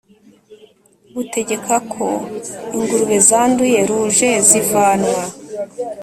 Butegeka ko ingurube zanduye ruje zivanwa